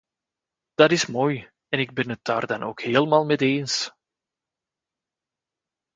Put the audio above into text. Dat is mooi, en ik ben het daar dan ook helemaal mee eens.